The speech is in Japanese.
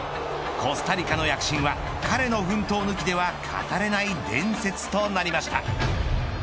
コスタリカの躍進は彼の奮闘抜きでは語れない伝説となりました。